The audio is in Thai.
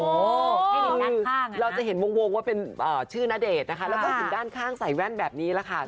แค่นี้เราจะเห็นวงว่าเป็นชื่อณเดชน์นะคะแล้วก็เห็นด้านข้างใส่แว่นแบบนี้แหละค่ะ